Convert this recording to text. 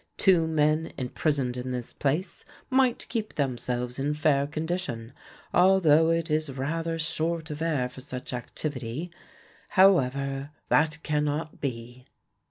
Two men imprisoned in this place might keep themselves in fair condition, although it is rather short of air for such activity; however, that cannot be."